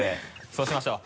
そうしましょう。